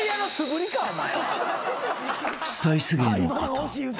［スパイス芸のこと］